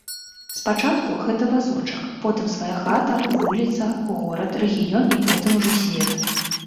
Спачатку гэта вазочак, потым свая хата, вуліца, горад, рэгіён і потым ужо свет.